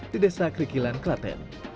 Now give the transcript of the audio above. di desa krikilan kelaten